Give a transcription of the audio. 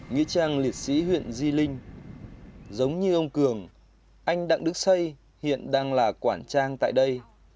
nghĩa trang liệt sĩ huyện di linh giống như ông cường anh đặng đức xây hiện đang là quản trang tại đây